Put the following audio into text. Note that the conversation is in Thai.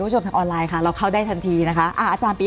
ก่อไปทุกทางออนไลน์ค่ะเราเข้าได้ทันทีนะคะอาจารย์ปี